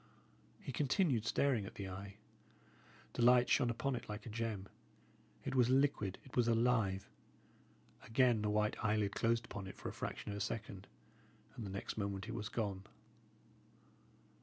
He continued staring at the eye. The light shone upon it like a gem; it was liquid, it was alive. Again the white eyelid closed upon it for a fraction of a second, and the next moment it was gone.